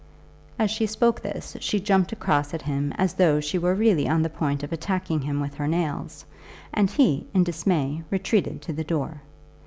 As she spoke this she jumped across at him as though she were really on the point of attacking him with her nails, and he, in dismay, retreated to the door.